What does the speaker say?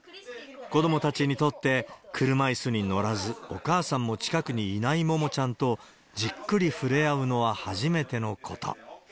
子どもたちにとって、車いすに乗らず、お母さんも近くにいないももちゃんと、じっくりふれあうのは初めてのこと。